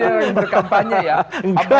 siap siap yang berkampanye ya